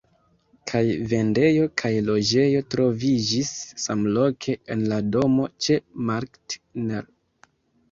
Kaj vendejo kaj loĝejo troviĝis samloke en la domo ĉe Markt nr.